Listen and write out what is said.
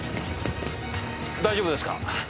大丈夫ですか？